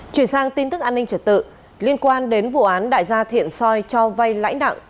chuyển sang tin tức an ninh trật tự liên quan đến vụ án đại gia thiện soi cho vay lãi nặng